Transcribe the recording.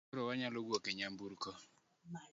Koro wanyalo wuok e nyamburko.